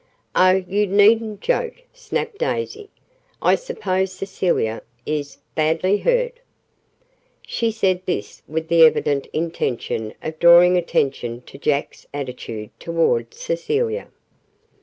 "Oh, you needn't joke," snapped Daisy. "I suppose Cecelia is badly hurt!" She said this with the evident intention of drawing attention to Jack's attitude toward Cecilia.